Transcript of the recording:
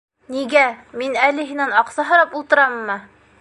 Нигә, мин әле һинән аҡса һорап ултыраммы?